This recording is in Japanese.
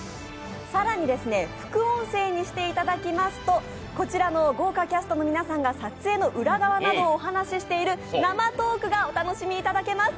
更に副音声にしていただきますと、こちらの豪華キャストの皆さんが撮影の裏側などをお話ししている生トークがお楽しみいただけます。